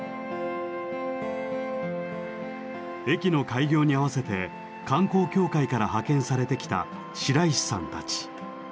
駅の開業に合わせて観光協会から派遣されてきた白石さんたち。